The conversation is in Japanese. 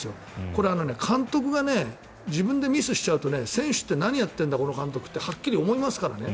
これ、監督が自分でミスしちゃうと選手ってこの監督、何やってんだってはっきり思いますからね。